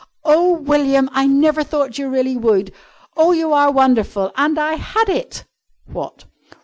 "Oh, William, I never thought you really would! Oh, you are wonderful! And I had it!" "What?"